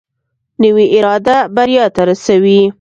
نوې اراده بریا ته رسوي